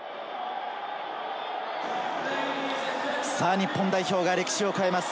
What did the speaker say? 日本代表が歴史を変えます。